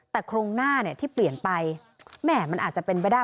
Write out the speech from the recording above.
แต่โครงหน้าที่เปลี่ยนไปแหม่มันอาจจะเป็นไปได้